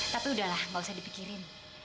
tapi udahlah gak usah dipikirin